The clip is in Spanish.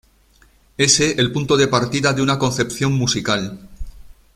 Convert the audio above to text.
Ese el punto de partida de una concepción musical.